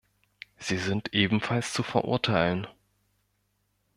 Sie sind ebenfalls zu verurteilen.